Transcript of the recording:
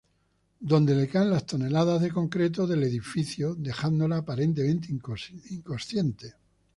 Donde le caen las toneladas de concreto del edificio dejándola aparentemente inconsciente.